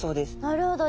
なるほど。